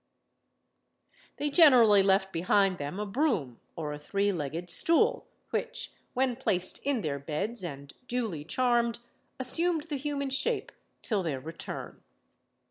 They generally left behind them a broom or a three legged stool, which, when placed in their beds and duly charmed, assumed the human shape till their return.